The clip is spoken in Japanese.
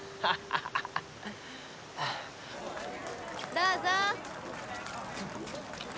どうぞ！